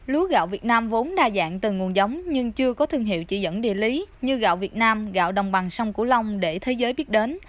lúa gạo việt nam vốn đa dạng từ nguồn giống nhưng chưa có thương hiệu chỉ dẫn địa lý như gạo việt nam gạo đồng bằng sông cửu long để thế giới biết đến